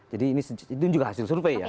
jadi ini juga hasil survei ya